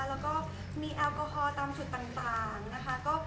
แล้วก็มีแอลกอฮอลตามจุดต่างนะคะ